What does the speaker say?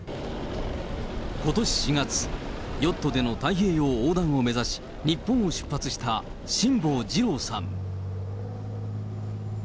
ことし４月、ヨットでの太平洋横断を目指し、日本を出発した辛坊治郎さん。